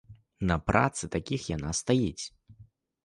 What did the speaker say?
На працы такіх яна стаіць.